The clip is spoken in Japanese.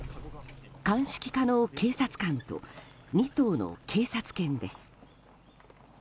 鑑識課の警察官と２頭の警察犬です。